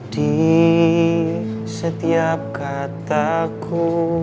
di setiap kataku